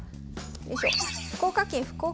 よいしょ。